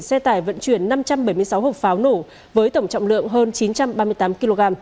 xe tải vận chuyển năm trăm bảy mươi sáu hộp pháo nổ với tổng trọng lượng hơn chín trăm ba mươi tám kg